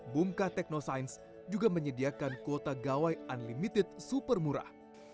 bumka teknosains juga menyediakan kuota gawai unlimited super murah